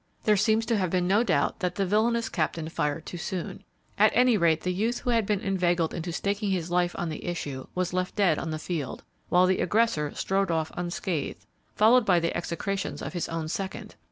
There seems to have been no doubt that the villainous captain fired too soon. At any rate, the youth who had been inveigled into staking his life on the issue was left dead on the field, while the aggressor rode off unscathed, followed by the execrations of his own second.